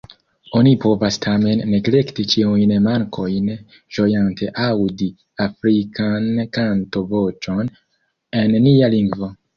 Oni povas tamen neglekti ĉiujn mankojn, ĝojante aŭdi afrikan kanto-voĉon en nia lingvo.